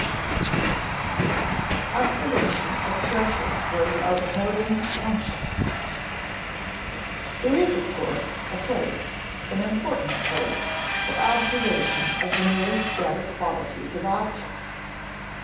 [Sidenote: Observation of structure grows out of noting function] There is, of course, a place, and an important place, for observation of the mere static qualities of objects.